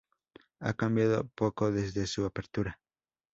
A cambiado poco desde su apertura.